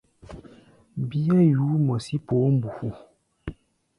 Bíá yuú mɔ sí poó mbufu.